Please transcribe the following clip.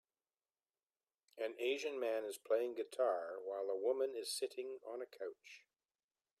An asian man is playing guitar while a woman is sitting on a couch